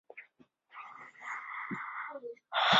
长管毛管蚜为毛管蚜科毛管蚜属下的一个种。